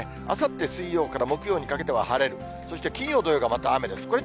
あさって水曜から木曜にかけては晴れる、そして金曜、土曜がまた雨です。